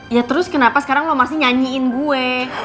ya terus kenapa sekarang lo masih nyanyiin gue